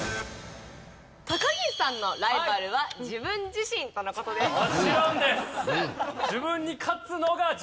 高岸さんのライバルは自分自身との事です。